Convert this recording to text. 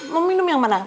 mau minum yang mana